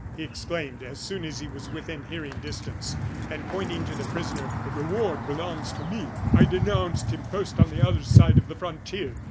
he exclaimed, as soon as he was within hearing distance, and pointing to the prisoner. "The reward belongs to me I denounced him first on the other side of the frontier.